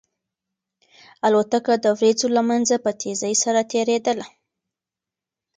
الوتکه د وريځو له منځه په تېزۍ سره تېرېدله.